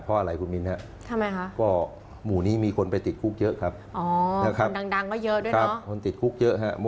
เพราะอะไรคุณมินครับมูลนี้มีคนไปติดคุกเยอะครับนะครับคนติดคุกเยอะครับ